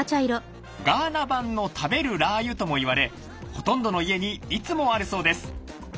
ガーナ版の「食べるラー油」ともいわれほとんどの家にいつもあるそうです。